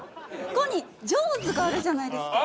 ここにジョーズがあるじゃないですか。